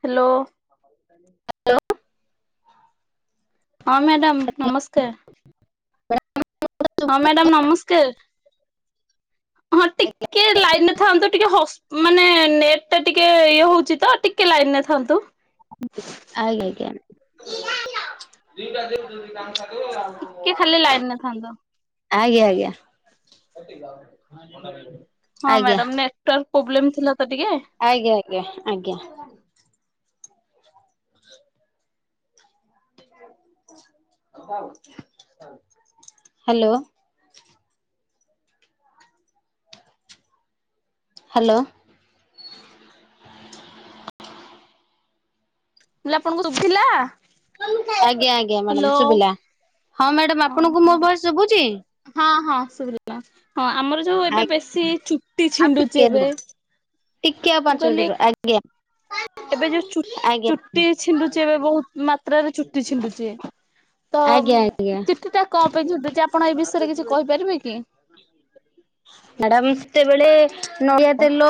Hello. ହଁ madam ନମସ୍କାର। ହଁ ମ୍ୟାଡାମ୍ ନମସ୍କାର। ହଁ ଟିକେ ଲାଇନରେ ଥାନ୍ତୁ ଟିକେ ହଉସ୍ ମାନେ ନେଟ୍ ଟା ଟିକେ ଇଏ ହଉଛି ତ ଟିକେ ଲାଇନରେ ଥାନ୍ତୁ। ଦୁଇଟା ଦେଲୁ ଜଲଦି ଜଲଦି କାମ ସାର୍ ଟିକେ ଖାଲି ଲାଇନରେ ଥାନ୍ତୁ। ଆଜ୍ଞା ଆଜ୍ଞା। ହଁ ଆଜ୍ଞା ମ୍ୟାଡାମ୍ ନେଟୱାର୍କ ପୋବ୍ଲେମ୍ ଥିଲା ତ ଟିକେ। ଆଜ୍ଞା ଆଜ୍ଞା ଆଜ୍ଞା। ହ୍ୟାଲୋ। ହ୍ୟାଲୋ। ଲେ ଆପଣଙ୍କୁ ଶୁଭିଲା। ଆଜ୍ଞା ଆଜ୍ଞା ମ୍ୟାଡାମ୍ ହ୍ୟାଲୋ ଶୁଭିଲା। ହଁ, ମ୍ୟାଡାମ୍ ଆପଣଙ୍କୁ ମୋ ଭଏସ୍ ଶଭୁଛି। ହଁ ହଁ ଶୁଭିଲା। ହଁ, ଆମର ଯୋଉ ଏବେ ଆଉ ବେଶୀ ଚୁଟି ଛିଣ୍ଡୁଛି ଟିକେ ଏବେ। ରୁହ ଟିକେ ଆଉ ମୁଁ ପାଞ୍ଚ ମିନିଟ୍ କହିଲି ରୁହ ଆଜ୍ଞା। ଏବେ ଯୋଉ ଚୁଟ୍ ଆଜ୍ଞା ଚୁଟି ଛିଣ୍ଡୁଛି ଏବେ ବହୁତ୍ ମାତ୍ରାରେ ଚୁଟି ଛିଣ୍ଡୁଛି। ତ ଆଜ୍ଞା ଆଜ୍ଞା ଚିଠି ଟା କ'ଣ ପାଇଁ ଛିଣ୍ଡୁଛି ଆପଣ ଏଇ ବିଷୟରେ କିଛି କହିପାରିବେ କି? ମ୍ୟାଡାମ୍ ସେତେବେଳେ ନଡ଼ିଆ ତେଲ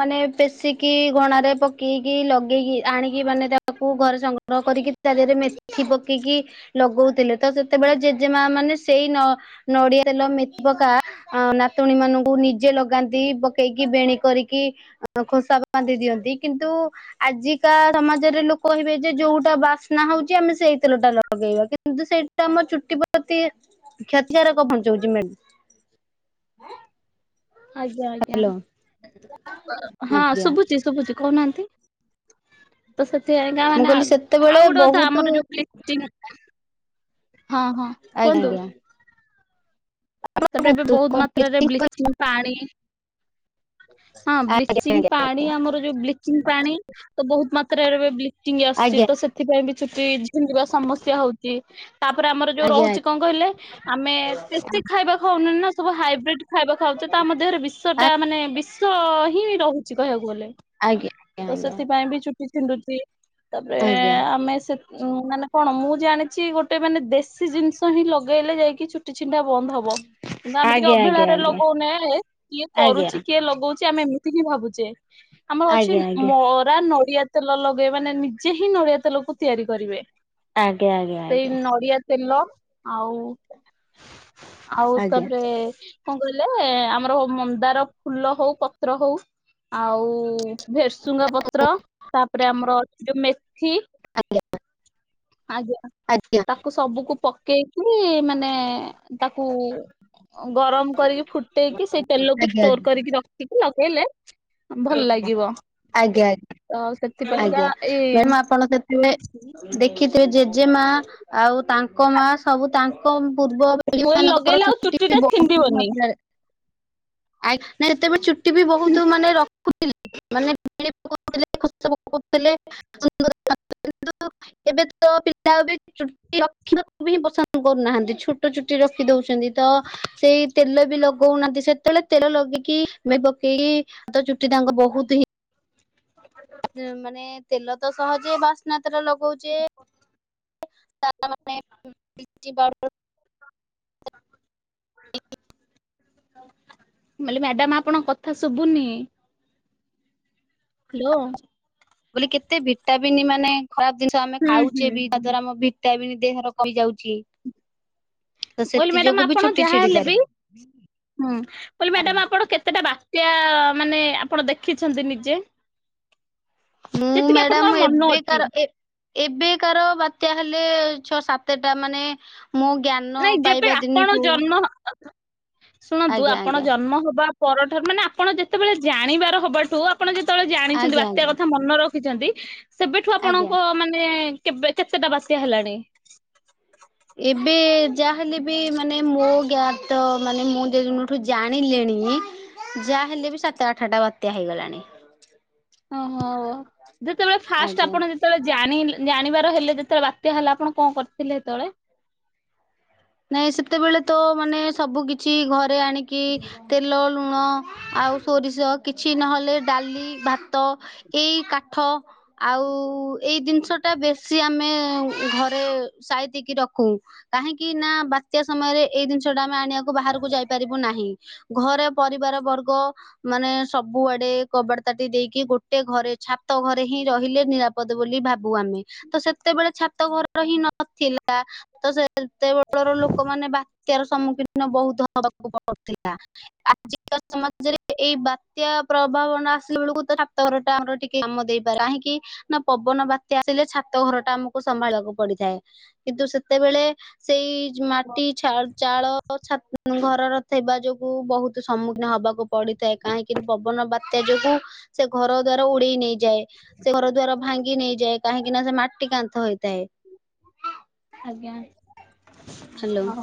ମାନେ ପେଶିକି ଘଣାରେ ପକେଇକି ଲଗେଇକି ଆଣିକି ମାନେ ତାକୁ ଘରେ ସଂଗ୍ରହ କରିକି ତା ଦେହେରେ ମେଥି ପକେଇକି ଲଗଉଥିଲେ। ତ ସେତେବେଳେ ଜେଜେମା ମାନେ ସେଇ ନ ନଡିଆ ତେଲ ମଥି ପକା ଅ ନା ତୁଣୀ ମାନଙ୍କୁ ନିଜେ ଲଗାନ୍ତି ପକେଇକି ବେଣ କରିକି ଅ ଖୋସା ବାନ୍ଧି ଦିଅନ୍ତି କିନ୍ତୁ ଉ ଆଜିକା ସମାଜରେ ଲୋକ କହିବେ ଯେ ଯୋଉଟା ବାସ୍ନା ହଉଛି ଆମେ ସେଇ ତେଲ ଟା ଲଗେଇବା। କିନ୍ତୁ ସେଇଟା ଆମ ଚୁଟି ପ୍ରତି କ୍ଷତିକାରକ ପହଞ୍ଚଉଛି ମ୍ୟାଡାମ୍। ହଁ ଆଜ୍ଞା ଆଜ୍ଞା ହଁ ଆଜ୍ଞା। ଶୁଭୁଛି ଶୁଭୁଛି। କହୁନାହାନ୍ତି। ତ ସେଥିାଇ ଗାଁ ମୁଁ ମାନେ କହିଲି ସେତେବେଳେ ଆଉ ଗୋଟେ କ ବହୁତ ଆମର ଯୋଉ ହଁ ହଁ ଆଜ୍ଞା କୁହନ୍ତୁ ଆଜ୍ଞା ତାପରେ ଏବେ କୁହନ୍ତୁ ବହୁତ କଣ ମାତ୍ରାରେ ବ୍ଲିଚିଂ ପାଣି ହ ହଁ ବ୍ଲିଚିଂ ପାଣି ଆମର ଯୋଉ ବ୍ଲିଚିଂ ପାଣି ତ ବହୁତ ମାତ୍ରାରେ ଏ ବ୍ଲିଚିଂ ଆସୁଛି ଆଜ୍ଞା ତ ସେଥିପାଇଁ ବି ଛୁଟି ସମସ୍ୟା ହଉଛି ତାପରେ ଆମର ଯୋଉ ଆଜ୍ଞା ରହୁଛି କଣ କହିଲେ ଆମେ ଖାଇବା ଖାଉନ ନା ସବୁ ହାଇବ୍ରିଡ ଖାଇବା ଖାଉଛ ତା ଦେହରେ ବିଶଵ ଟା ମାନେ ବିଶଵ ହିଁ ରହୁଛି କହିବାକୁ ଗଲେ ଆଜ୍ଞା ତ ଆଜ୍ଞା ସେଥିପାଇଁ ବି ଚୁଟି ଛିଣ୍ଡୁଛି ତାପରେ ଆଜ୍ଞା ଆମେ ସେ ଉଁ ମାନେ କଣ ମୁଁ ଜାଣିଛି ଗୋଟେ ମାନେ ଦେଶୀ ଜିନିଷ ହିଁ ଲଗେଇଲେ ଯାଇକି ଚୁଟି ଛିଣ୍ଡା ବ କିନ୍ତୁ ଆମେ ଟିକେ ଆଜ୍ଞା ଆଜ୍ଞା ଅବହେଳାାରେ ଲଗଉନ କିଏ କରୁଛି କିଏ ଲଗଉଛି ଆମେ ଏମିତି ଏତିକି ଭାବୁଛେ ଆମର ଅଛି ଆଜ୍ଞା ମରା ନ ନଡିଆ ତେଲ ଲଗେଇ ମାନେ ନିଜେ ହିଁ ନଡିଆ ତେଲକୁ ତିଆରି କରିବେ ଆଜ୍ଞା ଆଜ୍ଞା ସେଇ ଆଜ୍ଞା ନଡିଆ ତେଲ ଆଉ ଆଉ ଆଜ୍ଞା ଆଜ୍ଞା ତାପରେ କଣ କହିଲେ ଆମର ମନ୍ଦାର ଫୁଲ ହଉ ପତ୍ର ହଉ ଆଉ ଭେରସୁଙ୍ଗା ପତ୍ର ତାପରେ ଆମର ଅଛି ଯୋଉ ମେଥି ଆଜ୍ଞା ତାକୁ ସବୁକୁ ପକେଇକି ମାନେ ତାକୁ ଗରମ କରିକି ଫୁଟେଇକି ସେଇ ତେଲକୁ ଷ୍ଟୋର କରିକି ରଖିକି ଲଗେଇଲେ ଭଲ ଲାଗିବ। ଆଜ୍ଞା ତ ଆଜ୍ଞା ସେଥିପାଇଁକା ଆଜ୍ଞା ଏଇ ମ୍ୟା ଆପଣ ସେତରେ ମୁଁ ଦେଖି ଜେଜେ ମା ଆଉ ତାଙ୍କ ମା ସବୁ ତାଙ୍କ ପୂର୍ବ ପିଢି ସ୍ଲ ମାନଙ୍କର ଲଗେଇଲେ ଆଉ ଚୁଟି ବି ଟା ବହୁତ ଛିଣ୍ଡିବନି ମାତ୍ରାରେ ଆ ସେତେବେଳେ ଚୁଟି ବି ବହୁତ ମାନେ ରଖୁ ମାନେ ଥିଲେଥିଲେ ସୁ ଏବେ ତ ପିଲା ବି ଚୁଟି ରଖିବାକୁ ବି ହିଁ ପସନ୍ଦ କରୁନାହାନ୍ତି ଛୋଟ ଚୁଟି ରଖି ଦଉଛନ୍ତି ତ ତ ସେଇ ତେଲ ବି ଲଗଉନାହାନ୍ତି ସେତେବେଳେ ତେଲ ଲଗେଇକି ଆେ ପକେଇକି ହାତ ଚୁଟି ତାଙ୍କ ବହୁତ ହିଁ ମାନେ ତେଲ ତ ସହଜେ ବାସ୍ନାତିରେ ଲଗଉଛେ ତା ମାନେ ବ ମ୍ୟାଡାମ ଆପଣଙ୍କ କଥା ଶୁଭୁନି ହ୍ୟାଲୋ ବ କେତେ ଭିଟାବିନ୍ ମାନେ ଖରାପ ଜିନିଷ ଆମେ ହୁଁ ଖାଉଛେ ହୁଁ ବି ହୁଁ ତା ମୁଁ ଦ୍ାରା ଆମ ଭିଟାବନ୍ ଦେହର କମ ଯାଉଛି ତ କହିଲି ସେଥି ଯୋଗୁ ମ୍ୟାଡାମ ବି ଆପଣ ଚୁଟି ଯାହା ଛିଡି ହେଲେ ପାରେ ବି ହୁଁ କହ ଆଜ୍ଞା। ମ୍ୟାଡାମ ଆପଣ କେତେଟା ବା ଏ ମାନେ ଆପଣ ଦେଖିଛନ୍ତି ନିଜେ ମୁଁ ଯେତିକି ଆପଣଙ୍କର ମ୍ୟାଡାାମ ମନ ଅଛି ଏବେକାର ଏବେକାର ବାତ୍ୟା ହେଲି ଛଅ ସାତଟା ମାନେ ମୁଁ ଜ୍ଞାନ ନାଇଁ ଯେବେ ପାଇବା ଆପଣ ଦିନଠୁ ଜନ୍ମ ଶୁଣନ୍ତୁ ଆଜ୍ଞା ଆପଣ ଆଜ୍ଞା ଜନ୍ମ ହବା ପରଠାରୁ ମାନେ ଆପଣ ଯେତେବେଳେ ଜାଣିବାର ହବାଠୁ ଆପଣ ଯେ ଳେ ଜାଣିଛନ୍ତି ଆଜ୍ଞା ବାତ୍ୟା ଆଜ୍ଞା କଥା ମନେ ରଖିଛନ୍ତି ସେବେଠୁ ଆଜ୍ଞା। ଆପଣଙ୍କ ମାନେ କେବେ କେତେଟା ବାତ୍ୟା ହେଲାଣି ଏବେ ଯାହାହେଲେ ବି ମାନେ ମୋ ଗ୍ଞ ତ ମାନେ ମୁଁ ଯେଦିନଠୁ ଜାଣିଲିଣି ଯାହା ହେଲେ ବି ସାତ ଆଠଟା ବାତ୍ୟା ହେଇଗଲାଣି ଓହୋ ଯେତେବେଳେ ଫାଷ୍ଟ ଆଜ୍ଞା। ଆପଣ ଯେତେବେଳେ ଜା ଜାଣିବାର ହେଲେ ଯେତେବେଳେ ବାତ୍ୟା ହେଲା ଆପଣ କଣ କରିଥିଲେ ସେତେବେଳେ ନାଇଁ ସେତେବେଳେ ତ ମାନେ ସବୁ କିଛି ଘରେ ଆି ତେଲ ଲୁଣ ଆଷ କିଛି ନହେଲେ ଡାଲି ଭାତ ଏଇ କାଠ ଆଉ ଏଇ ଜିନିଷ ବେଶି ଆମେ ଘରେ ସାଇତିକି ରଖୁ କାହିଁକି କି ନା ବାତ୍ୟା ସମୟରେ ଏଇ ଜିନିଷ ଟା ଆମେ ଆଣିବାକୁ ବାହାରକୁ ଯାଇପାରିବୁ ନାହିଁ ଘରେ ପରିବାର ବର୍ଗ ଗ ମାନେ ସବୁଆଡେ କବାଟ ତାଟି ଦେଇକି ଗୋଟେ ଘରେ ଛାତ ଘରେ ହିଁ ରହିଲେ ନିରାପଦ ବୋଲି ଭାବୁ ଆମେ ତ ସେତେବେଳେ ଛାତ ଘରର ହିଁ ନଥିଲା ତ ସେ କେତେ ବଳର ଲୋକମାନେ ବା ବାତ୍ୟାର ସମ୍ମୁଖୀନ ବହୁତ ହବାକୁ ପଡୁଥିଲା ଆଜିକା ସମାଜରେ ଏଇ ବାତ୍ୟା ପ୍ରଭାବନା ଆସିଲା ବେଳକୁ ଛାତଘର ଟା ଆମର ଟିକେ କାମ ଦେଇପାରେ କାହିଁକି ନା ପବନ ବାତ୍ୟା ଆସିଲେ ଛାତ ଘର ଟା ଆମକୁ ସମ୍ଭାଳିବାକୁ ପଡିଥାଏ। କିନ୍ତୁ ସେତେବେଳେ ସେଇ ମାଟିଛ ଚାଳଛ ଘରର ଥିବା ଯୋଗୁ ବହୁତ ସମ୍ମୁଖୀନ ହବାକୁ ପଡିଥାଏ। କାହିଁକି ପବନ ବାତ୍ୟା ଯୋଗୁ ସେ ଘର ଦ୍ଵାରା ଉଡେଇ ନେଇ ଯାଏ ସେ ଘର ଦ୍ୱାର ଭାଙ୍ଗି ନେଇଯାଏ କାହିଁକି ନା ସେ ମାଟି କାନ୍ଥ ହେଇଥାଏ। ଆଜ୍ଞା ହ୍ୟାଲୋ। ହ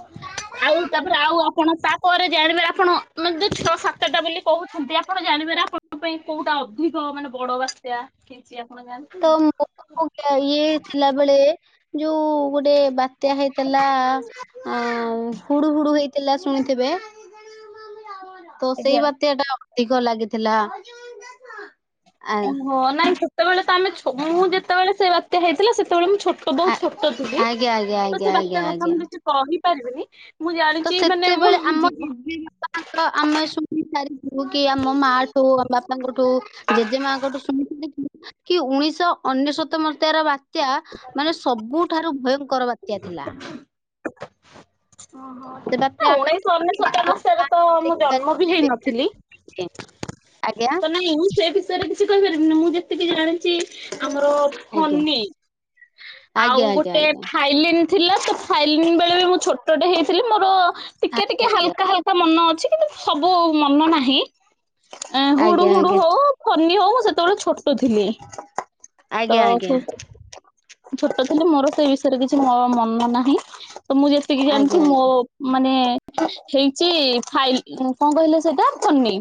ଆଉ ତାପରେ ଆଉ ଆପଣ ପରେ ଜାଣିବେ ଆପଣ [unintelligible] ଛଅ ସାତଟା ବୋଲି କହୁଛନ୍ତି ଆପଣ ଜାଣିବାର ଆପଣଙ୍କ ପାଇଁ କୋଉଟା ଅଧିକ ମାନେ ବଡ ବାତ୍ୟା କିଞ୍ଚଆ ତ ମୋ ଇଏ ଥିଲାବେଳେ ଯୋଉ ଗୋଟେ ବାତ୍ୟା ହେଇଥିଲା ଅ ହୁଡୁ ହୁଡୁ ହେଇଥିଲା ଶୁଣିଥିବେ। ତ ସେଇ ଆଜ୍ଞା। ବାତ୍ୟା ଟା ଅଧିକ ଲାଗିଥିଲା। ଆ ଓହୋ ନାଇଁ ସେତେବେଳେ ତ ଆମେ ଛଁ ଯେତେବେଳେ ସେ ବାତ୍ୟା ହେଇଥିଲା ସେ ସେତେବେଳେ ମୁଁ ଛୋଟ ଆ ବହୁତ ଛୋଟ ଥିଲି ଆଜ୍ଞା ଆଜ୍ଞା ତ ଆଜ୍ଞା ସେ ଆଜ୍ଞା ବାତ୍ୟା କଥା ଆଜ୍ଞା ମୁଁ କିଛି କହି ପାରିବିନି ତ ସେତେବେଳେ ଆମ ଦିଦି ବାପାଙ୍କ ଆମେ ଶୁଣି ସାରିଛୁ କି ଆମ ମାଠୁ ଆମ ବାପା ତାଙ୍କଠୁ ଜେଜେମାଙ୍କଠୁ ଶୁଣିି ଦେଖୁ କି ଉଣେଇଶହ ଅନେଶତ ବାତ୍ୟାର ବାତ୍ୟା ମାନେ ସବୁଠାରୁ ଭୟଙ୍କର ବାତ୍ୟା ଥିଲା। ଓହୋ ନା ଉଣେଇଶହ ଅନେଶତ ମସିହାରେ ତ [unintelligible] ମୁଁ ଜନ୍ମ ବି ହେଇନଥିଲି। [unintelligible] ତ ନାଇଁ ମୁଁ ସେ ବିଷୟରେ କିଛି କହିପାରିବିନି ମୁଁ ଯେତିକି ଜାଣି ବି ଆମର ଆଜ୍ଞା ଫନି ଆଉ ଆଜ୍ଞା ଆଜ୍ଞା ଗୋଟେ ଫାଇଲିନ ଥିଲା ସେ ଫାଇଲିନ ବେଳେ ବି ମୁଁ ଛୋଟଟେ ହେଇଥିଲି ମୋର ଆଜ୍ଞା। ଟିକେ ଟିକେ ହାଲକା ହାଲକା ମନ ଅଛି। କି ସବୁ ମନ ନାହିଁ ହୁଡୁ ଆଜ୍ଞା ଆଜ୍ଞା ଆଜ୍ଞା ହୁଡୁ ହଉ ଫନି ହଉ ସେତେବେଳେ ଛୋଟ ଥିଲି। ତ ଆଜ୍ଞା ଆଜ୍ଞା ଆଜ୍ଞା ଆଜ୍ଞା ଛୋଟ ଥିଲି ମୋର ସେ ବିଷୟରେ କିଛି ମୋ ମନ ନାହିଁ। ତ ମୁଁ ଯେତିକି ଜାଣିଛି ମୋ ଆଜ୍ଞା ମାନେ ହେଇଛି ଫାଇଲ ଉଁ କଣ କହିଲେ ସେଇଟା ଫନି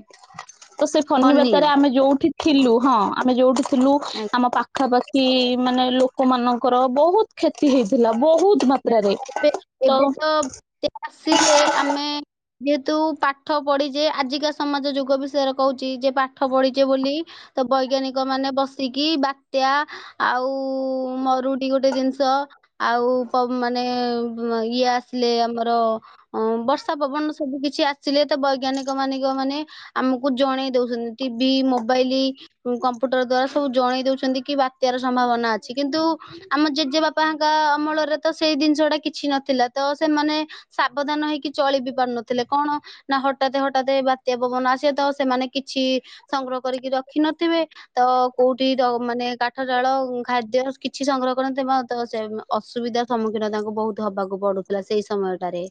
ତ ସେ ଫନି ବାତ୍ୟାରେ ଆମେ ଯୋଉଠି ଥିଲୁ ହଁ ଆମେ ଯୋଉଠି ଥିଲୁ ଆଜ୍ଞା। ଆମ ପାଖାପାଖି କି ମାନେ ଲୋକମାନଙ୍କର ବହୁତ କ୍ଷତି ହେଇଥିଲା। ବହୁତ ମାତ୍ରାରେ ଏବେ ତ ଏବେ ତ ସେ ଆସିଲେ ଆମେ ଯେହେତୁ ପାଠ ପଢିଛେ ଆଜିକା ସମାଜ ଯୁଗ ବିଷୟରେ କହୁଛି ଯେ ପାଠ ପଢିଛେ ବୋଲି ବୈଜ୍ଞାନିକ ମାନେ ବସିକି ବାତ୍ୟା ଆଉ ମରୁଡି ଗୋଟେ ଜିନିଷ ଆଉ ମାନେ ଇଏ ଆସିଲେ ଆମର ବର୍ଷା ପବନ ସବୁ କିଛି ଆସିଲେ ବୈଜ୍ଞାନିକ ମାନିକ ମାନେ ଆମକୁ ଜଣେଇ ଦଉଛନ୍ତି ଟିଭି ମୋବାଇଲ କମ୍ପୁଟର ଦ୍ୱାରା ସବୁ ଜଣେଇ ଦଉଛନ୍ତି କି ବାତ୍ୟାର ସମ୍ଭାବନା ଅଛି। କିନ୍ତୁ ଆମ ଜେଜେ ବାପାଙ୍କା ଅମଳରେ ତ ସେଇ ଜିନିଷ ଟା କିଛି ନଥିଲା ତ ସେମାନେ ସାବଧାନ ହେଇକି ଚଳି ବି ପାରୁନଥିଲେ କଣ ନା ହଠାତ୍ ହଠାତ୍ ବାତ୍ୟା ପବନ ଆସେ ତ ସେମାନେ କିଛି ସଂଗ୍ରହ କରିକି ର ରଖି ନଥିବେ ତ କୋଉଠି ମାନେ କାଠ ଳ ଖାଦ୍ୟ କିଛି ସଂଗ୍ରହ କରଥିବା ତ ସେ ଅସୁବିଧା ସମ୍ମୁଖୀନ ତାଙ୍କୁ ବହୁତ ହବାକୁ ପଡୁଥିଲା ସେଇ ସମୟଟାରେ।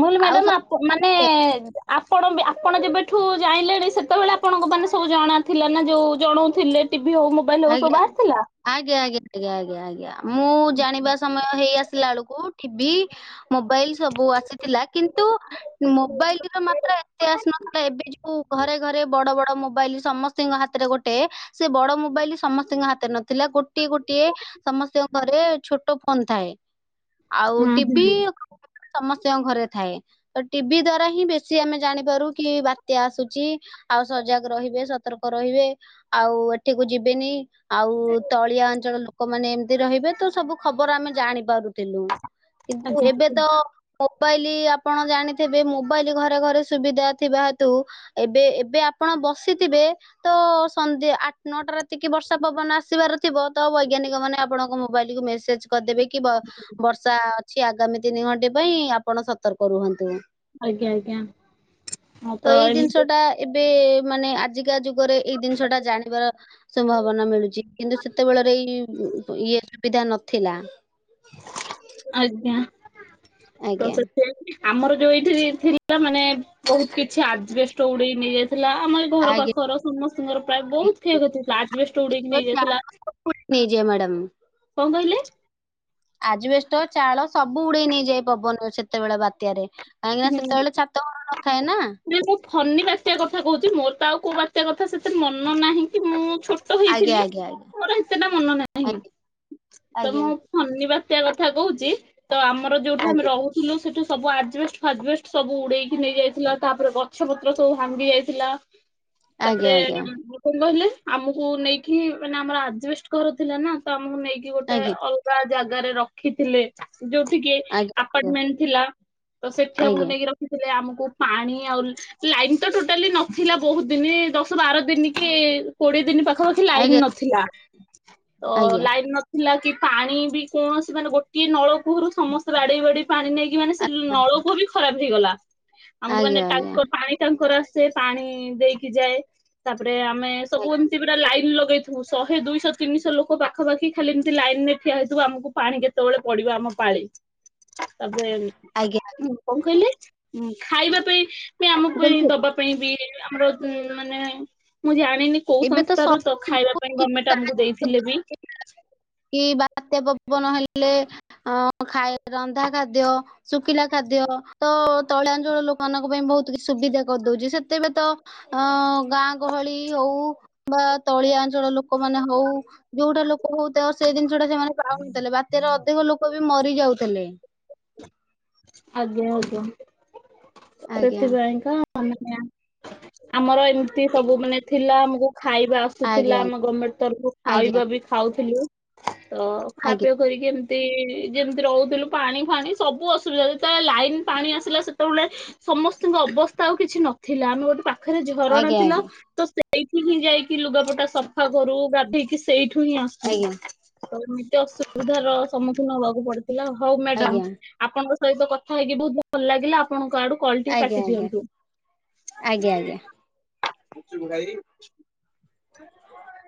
ମୁଲ ଆଉ ମ୍ୟାଡ ସବୁ ଆ ମାନେ ଆ ଆପଣ ବି ଆପଣ ଯେବେଠୁ ଜାଇଲେଣି ସେତେବେଳେ ଆପଣଙ୍କୁ ମାନେ ସବୁ ଜଣା ଥିଲା ନା ଯୋଉ ଜଣଉଥିଲେ ବି ହଉ ମୋବାଇଲ ହଉ ଆଜ୍ଞା ସବୁ ଆସିଥିଲା। ଆଜ୍ଞା ଆଜ୍ଞା ଆଜ୍ଞା ଆଜ୍ଞା ଆଜ୍ଞା ମୁଁ ଜାଣିବା ସମୟ ହେଇ ଆସିଲା ବେଳକୁ ଠିବି ମୋବାଇଲ ସବୁ ଆସିଥିଲା, କିନ୍ତୁ ମୋବାଇଲର ମାତ୍ରା ଏତେ ଆସିନଥିଲା ଏବେ ଯୋଉ ଘରେ ଘରେ ବଡ ବଡ ମୋବାଇଲ ସମସ୍ତିଙ୍କ ହାତରେ ଗୋଟେ, ସେ ବଡ ମୋବାଇଲ ସମସ୍ତିଙ୍କ ହାତରେ ନଥିଲା। ଗୋଟିଏ ଗୋଟିଏ ସମସ୍ତିଙ୍କ ଘରେ ଛୋଟ ଫୋନ ଥାଏ। ଆଉ ହୁଁ ଟିଭିି ହୁଁ ସମସ୍ତିଙ୍କ ଘରେ ଥାଏ। ତ ଟିଭି ଦ୍ଵାରା ହିଁ ବେଶୀ ଆମେ ଜାଣିପାରୁ କି, ବାତ୍ୟା ଆସୁଛି ଆଉ ସଜାଗ ରହିବେ, ସତର୍କ ରହିବେ, ଆଉ ଏଠିକୁ ଯିବେ ବିନି, ଆଉ ତଳିଆ ଅଞ୍ଚଳ ଲୋକମାନେ ଏମତି ରହିବେ ତ, ସବୁ ଖବର ଆମେ ଜାଣିପାରୁ ଥିଲୁ। କିନ୍ତୁ ଆଜ୍ଞା ଏବେ ତ ମୋବାଇଲି ଆପଣ ଜାଣିଥିବେ, ମୋବାଇଲ ଘରେ ଘରେ ସୁବିଧା ଥିବା ହେତୁ, ଏବେ ଏବେ ଆପ ଆପଣ ବସିଥିବେ, ତ ସନ୍ଧ୍ୟା ଆଠ ନଅଟା ରାତି ଟିକେ ବର୍ଷା ପବନ ଆସିବାର ଥିବ, ତ ବୈଜ୍ଞାନିକ ମାନେ ଆପଣଙ୍କ ମୋବାଇଲକୁ ମେସେଜ କରିଦେବେ କି ବ-ବ ବର୍ଷା ଅଛି ଆଗାମୀ ତିନି ଘଣ୍ଟେ ପାଇଁ, ଆପଣ ସତର୍କ ରୁହନ୍ତୁ। ଆଜ୍ଞା ଆଜ୍ଞା ହଁ ତ ଏଇ ଏମିତି ଜିନିଷଟା ଏବ ଏବେ ମାନେ ଆଜିକା ଯୁଗରେ ଏଇ ଜିନିଷଟା ଜାଣିବାର- ସମ୍ଭାବନା ମିଳୁଚି, କିନ୍ତୁ ସେତେବେଳରେ ଏଇ ଇଏ ସୁବିଧା ନଥିଲା। ଆଜ୍ଞା। ତ ଆଜ୍ଞା ସେଥିପାଇଁ ଆମର ଯୋଉ ଏଇଠି ଥିଲା ମାନେ ବହୁତ କିଛି ଆଜବେଷ୍ଟ ଉଡେଇ ନେଇଯାଇଥି ଥିଲା, ଆମର ଘର ଆଜ୍ଞା ପାଖର ସମସ୍ତଙ୍କର ପ୍ରାୟ ଠିକ୍ ବହୁତ କ୍ଷୟକ୍ଷତି ହୋଇଥିଲା। ଆଜବେଷ୍ଟ ଉଡେଇକି ନେଇଯାଇଥିଲା କୁ ନିଜେ ମ୍ୟାଡ଼ମ୍ କଣ କହିଲେ ଆଜବେଷ୍ଟ, ଚାଳ ସବୁ ଉଡେଇ ନେଇଯାଏ ପବନ ସେତେବେଳ ବାତ୍ୟାରେ। କାହିଁକି ନା ହୁଁ। ସେତେବେଳେ ଛାତ ଘର ନଥାଏ ନା ନାଇଁ ମୁଁ ଫନି ବାତ୍ୟା କଥା କହୁଛି, ମୋର ତ ଆଉ କୋଉ ବାତ୍ୟା ଏତେ କଥା ସେତେ ମନ ନାହିଁ କି ମୁଁ ଛୋଟ ଆଜ୍ଞା ହେଇଥିଲି, ଆଜ୍ଞା ମୋର ଏତେଟା ମନ ନାହିଁ। ଆଜ୍ଞା ତ ମୁଁ ଶନିବାର ଆ କଥା କହୁଚି, ତ ଆମର ଯୋଉଠୁ ଆମେ ରହୁଥିଲୁ ସେଠୁ ସବୁ ଆଜବେଷ୍ଟ ଫାଜବେଷ୍ଟ ସବୁ ଉଡେଇକି ନେଇ ଯାଇଥିଲା, ତାପରେ ଗଛ ପତ୍ର ସବୁ ଭାଙ୍ଗି ଯାଇଥିଲା ଆଜ୍ଞା ତାପରେ ଆଜ୍ଞା କଣ କହିଲେ? ଆମକୁ ନେଇକି ମାନେ ଆମର ଆଜବେଷ୍ଟ ଘର ଥିଲା ନା, ତ ଆମକୁ ନେଇକି ଗୋଟେ ଆଜ୍ଞା ଅଲଗା ଜାଗାରେ ରଖିଥିଲେ ଯୋଉଠିକି ଆଜ୍ଞା ଆପାର୍ଟମେଣ୍ଟ ଥିଲା, ତ ସେଠି ଆମକୁ ଆଜ୍ଞା ନେଇକି ରଖିଥି ଲେ, ଆମକୁ ପାଣି ଆଉ, ଲାଇନ ତ ଟୋଟାଲି ନଥିଲା ବହୁତ ଦିନି, ଦଶ ବାର ଦିନି କି କୋଡିଏ ଦିନ ପାଖାପାଖି ଆଜ୍ଞା ଲାଇନ୍ ଆଜ୍ଞା ନଥିଲା। ତ ଆଜ୍ଞା ଲାଇନ୍ ନଥିଲା କି ପାଣି ବି କୌଣସି ମାନେ ଗୋଟିଏ ନଳ କୂଅରୁ ସମସ୍ତେ ବାଡେଇ ବାଡେଇ ପାଣି ନେଇକି ମାନେ ସେ ଉ କୂଅ ପୁଅ ବି ଖରାପ ହେଇଗଲା। ଆମକୁ ମାନେ ଆଜ୍ଞା ଆଜ୍ଞା ଆଜ୍ଞା ତାଙ୍କର ପାଣି ତାଙ୍କର ସେ ପାଣି ଦେଇକି ଯାଏ। ତାପରେ ଆମେ ସବୁ ଏମତି ପୁରା ଲାଇନ୍ ଲଗେଇଥିବୁ। ଶହେ, ଦୁଇଶହ, ତିନିଶହ, ଲୋକ ପାଖପାଖି ଖାଲି ଏମିତି ଲାଇନରେ ଠିଆ ହେଇଥିବୁ, ଆମକୁ ପାଣି କେତେବେଳେ ପଡିବ। ଏ ଯୋଉ ଆମ ପାଳି, ତା [unintelligible] ଆଜ୍ଞା କଣ କହିଲେ? ଖାଇବା ପାଇଁ ସିଏ ମୁଁ ଆମକୁ ହିଁ କହିଲି ଦବା ପାଇଁ ବି, ଆମର ମାନେ ମୁଁ ଜା ନାଇଁ ନାଇଁ କୋଉ ଏବେ ସଂସ୍ଥାରୁ ତ, ସରକାର ଖାଇବା ବହୁତ ପାଇଁ କିଛି ଗମେଣ୍ଟ ଆମକୁ ସାହାଯ୍ୟ ଦେଇଥିଲେ ବି କରୁଛି, କି ବାତ୍ୟା ପବନ ହେଲେ ଲେ, ଅ ଖାଇ ରନ୍ଧା ଖାଦ୍ୟ, ଶୁଖିଲା ଖାଦ୍ୟ, ତ ତଳିଆ ଅଞ୍ଚଳ ଲୋକମାନଙ୍କ ପାଇଁ ବହୁତ କିଛି ସୁବିଧା କରିଦଉଚି। ସେତେବେଳେ ତ ଅ ଗାଁ ଗହଳି ହଉ, ବା ତଳିଆ ଅଞ୍ଚଳ ଲୋକମାନେ ହଉ, ଯୋଉଟା ଲୋକ ହଉ ତାଙ୍କର ସେ ଜିନିଷଟା ସେମାନେ ପାଉନଥିଲେ, ବାତ୍ୟାରେ ଅଧିକ ଲୋକ ବି ମରି ଯାଉଥେଲେ। ଆଜ୍ଞା ଆଜ୍ଞା। ଆଜ୍ଞା ସେଥିପାଇଁକା ଆମେ ଆ ଆମର ଏମତି ସବୁ ମାନେ ଥିଲା ଆମକୁ ଖାଇବା ଆଜ୍ଞା ଆସୁଥିଲା, ଆମ ଗମେଣ୍ଟ ତରଫରୁ ଆଜ୍ଞା ଖାଇବା ବି ଖାଉଥିଲୁ। ତ ଖାଅ ଆଜ୍ଞା ପିଅ କରିକି ଏମତି, ଯେମତି ରହୁଥିଲୁ ପାଣି ଫାଣି ସବୁ ଅସୁ ଥିଲା ଯେତେ ଲାଇନ ପାଣି ଆସିଲା, ସେତେବେଳେ ସମସ୍ତିଙ୍କ ଅବସ୍ଥା ଆଉ କିଛି ନଥିଲା। ଆମେ ଗୋଟେ ପାଖରେ ଝରଣା ଥିଲା, ଆଜ୍ଞା ତ ସେଇଠି ହିଁ ଯାଇକି ଲୁଗାପଟା ସଫା କରୁ, ଗାଧେଇକି ସେଇଠି ଏଠୁ ହିଁ ଆସୁ ଆଜ୍ଞା ତ ଏମିତି ଅସୁବିଧାର ସମ୍ମୁଖୀନ ହବାକୁ ପଡୁ ହେ ହଉ ଆଜ୍ଞା ମ୍ୟାଡାମ ଆଜ୍ଞା ଆପଣଙ୍କ ସହିତ କଥା ହେଇକି ବହୁତ ଭଲ ଲାଗିଲା ଆପଣ ଆଡୁ କଲ ଟିକେ କାଟି ଆଜ୍ଞା ଆଜ୍ଞା ଦିଅନ୍ତୁ ଆଜ୍ଞା ଆଜ୍ଞା। ଭାଇ